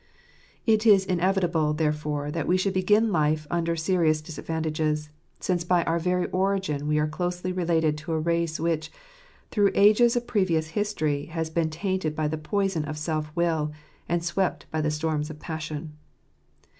It is inevitable, therefore, that we should begin life under serious disadvantages, since by our very origin we are closely related to a race which, through ages of previous history, has been tainted by the poison of self will, and swept by the storms of passion.